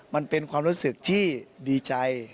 มันเป็นความรู้สึกที่ดีใจ